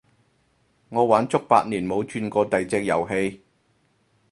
我玩足八年冇轉過第隻遊戲